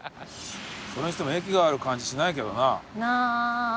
それにしても駅がある感じしないけどな。なあ。